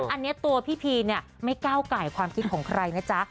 อันนี้ตัวพี่พีเนี่ยไม่ก้าวไก่ความคิดของใครนะจ๊ะ